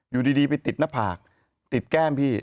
อยู่ดีไปติดหน้าผากติดแก้มพี่